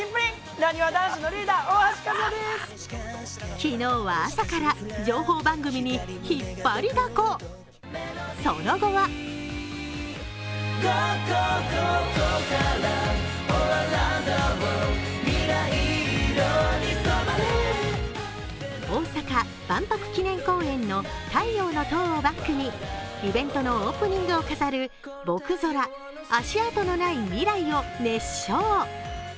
昨日は朝から、情報番組に引っ張りだこ、その後は大阪・万博記念公園の太陽の塔をバックにイベントのオープニングを飾る「僕空足跡のない未来」を熱唱。